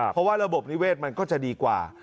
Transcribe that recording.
เพราะว่าระบบนิเวศมันก็จะดีกว่า